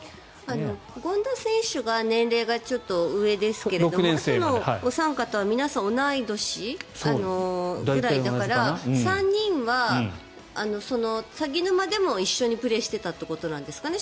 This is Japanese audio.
権田選手が年齢がちょっと上ですけどもあとのお三方は皆さん同い年ぐらいだから３人はさぎぬまでも一緒にプレーしてたということですかね